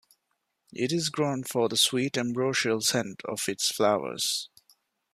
It is grown for the sweet ambrosial scent of its flowers.